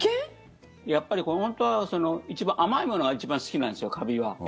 本当は、甘いものが一番好きなんですよ、カビは。